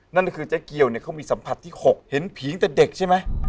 นั่นก็คือเจ๊เกียวเนี่ยเขามีสัมผัสที่๖เห็นผีงแต่เด็กใช่ไหม